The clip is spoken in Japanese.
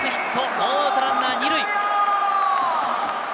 ノーアウトランナー２塁！